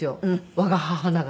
我が母ながら。